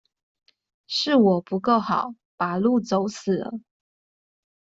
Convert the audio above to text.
是我不夠好，把路走死了